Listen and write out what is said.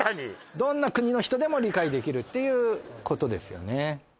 どんな国の人でも理解できるっていうことですよね